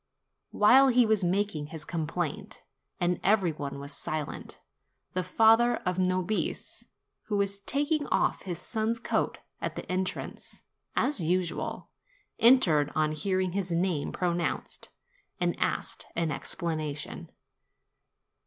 While he was making his com plaint, and every one was silent, the father of Nobis, who was taking off his son's coat at the entrance, as usual, entered on hearing his name pronounced, and asked an explanation.